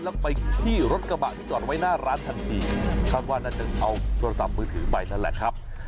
แล้วไปที่รถกระบะที่จอดไว้หน้าร้านทันทีคาดว่าน่าจะเอาโทรศัพท์มือถือไปนั่นแหละครับ